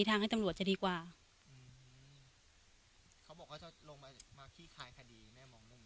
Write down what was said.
มันน่าจะปกติบ้านเรามีก้านมะยมไหม